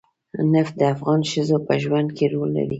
نفت د افغان ښځو په ژوند کې رول لري.